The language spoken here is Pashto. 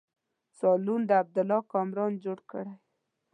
سالون د عبدالله کامران جوړ کړی.